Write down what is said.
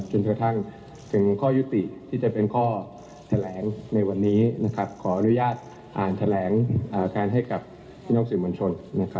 จนกระทั่งถึงข้อยุติที่จะเป็นข้อแถลงในวันนี้ขออนุญาตอ่านแถลงการให้กับพี่น้องสื่อมวลชน